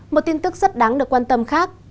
một tin tức rất đáng được quan tâm khác